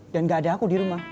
dan gak ada aku di rumah